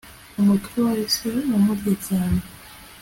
umutwe wahise umurya cyane